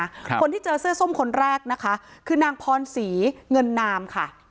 คนที่เจอเสื้อส้มคนแรกนะคะคือนางพรศรีเงินนามค่ะ